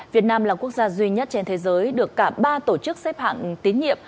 việt nam là quốc gia duy nhất trên thế giới được cả ba tổ chức xếp hạng tín nhiệm